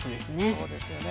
そうですよね。